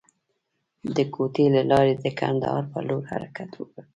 د کوټې له لارې د کندهار پر لور حرکت وکړ.